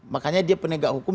makanya dia penegak hukum